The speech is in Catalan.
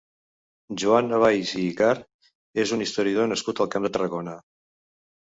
Joan Navais i Icart és un historiador nascut a Camp de Tarragona.